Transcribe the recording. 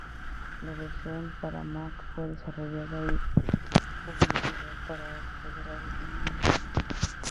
La versión para Mac fue desarrollada y publicada por Feral Interactive.